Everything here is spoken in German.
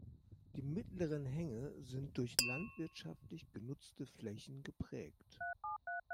Die mittleren Hänge sind durch landwirtschaftlich genutzte Flächen geprägt.